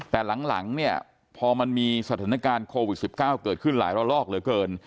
แต่หลังเนี่ยพอมันมีสถานการณ์โควิด๑๙เกิดขึ้นหลายระลอกเหลือเกิน